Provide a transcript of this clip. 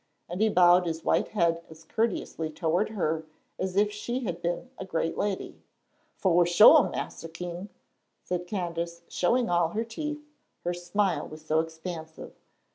and he bowed his white head as courteously toward her as if she had been a great lady. "Fo' shore, Mas'r King," said Candace, showing all her teeth, her smile was so expansive.